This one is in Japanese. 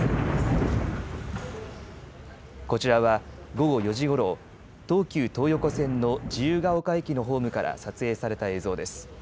こちらは午後４時ごろ東急東横線の自由が丘駅のホームから撮影された映像です。